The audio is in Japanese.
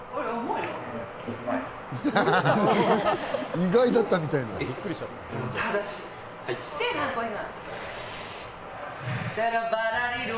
意外だったみたいな。